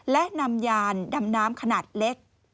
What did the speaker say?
และนำยานดำน้ำขนาดเล็ก